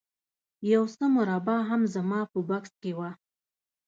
یو څه مربا هم زما په بکس کې وه